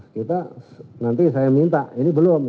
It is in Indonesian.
kita nanti saya minta ini belum